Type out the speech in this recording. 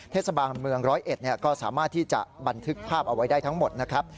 เทศบาลเมืองร้อยเอ็ดก็สามารถที่จะบันทึกภาพเอาไว้ได้ทั้งหมดนะครับ